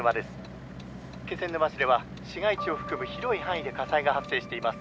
気仙沼市では市街地を含む広い範囲で火災が発生しています」。